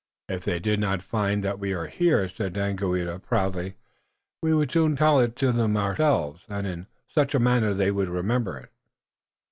"If they did not find that we are here," said Daganoweda proudly, "we would soon tell it to them ourselves, and in such manner that they would remember it."